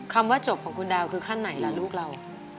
คำว่าจบของคุณดาวคือขั้นไหนล่ะลูกเรา